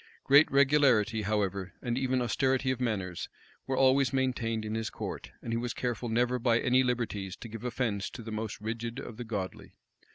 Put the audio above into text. Great regularity, however, and even austerity of manners, were always maintained in his court; and he was careful never by any liberties to give offence to the most rigid of the godly.